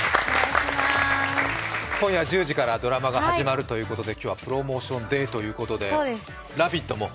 今夜１０時からドラマが始まるということで、今日はプロモーションデーということで「ラヴィット！」も。